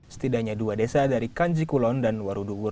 setidaknya dua desa dari kanci kulon dan warudugur